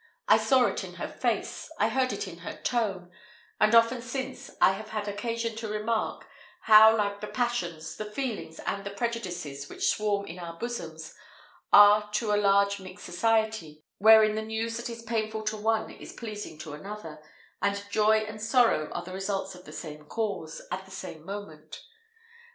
I saw it in her face, I heard it in her tone; and often since I have had occasion to remark, how like the passions, the feelings, and the prejudices, which swarm in our bosoms, are to a large mixed society, wherein the news that is painful to one is pleasing to another, and joy and sorrow are the results of the same cause, at the same moment.